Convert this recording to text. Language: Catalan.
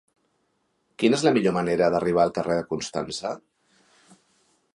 Quina és la millor manera d'arribar al carrer de Constança?